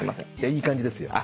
いい感じですよ。